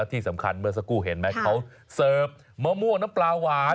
ที่สำคัญเมื่อสักครู่เห็นไหมเขาเสิร์ฟมะม่วงน้ำปลาหวาน